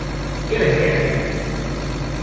Give it here!